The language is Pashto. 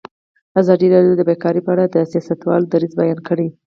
ازادي راډیو د بیکاري په اړه د سیاستوالو دریځ بیان کړی.